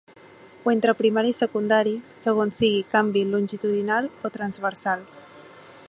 O entre primari i secundari segons sigui canvi longitudinal o transversal.